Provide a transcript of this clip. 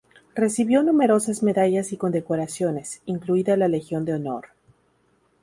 Recibió numerosas medallas y condecoraciones, incluida la Legión de honor.